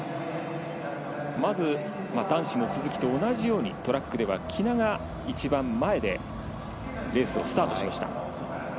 まず男子の鈴木と同じようにトラックでは喜納が一番前でレースをスタートしました。